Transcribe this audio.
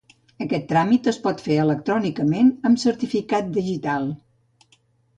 Aquest tràmit es pot fer electrònicament amb certificat digital.